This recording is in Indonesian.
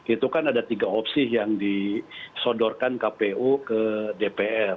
itu kan ada tiga opsi yang disodorkan kpu ke dpr